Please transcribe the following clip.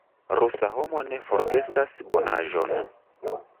Rusa homo ne forgesas bonaĵon.